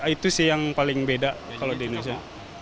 itu sih yang paling beda kalau di indonesia